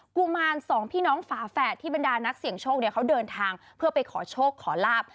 กุมารสองพี่น้องฝาแฝดที่บรรดานักเสี่ยงโชคเนี่ยเขาเดินทางเพื่อไปขอโชคขอลาบ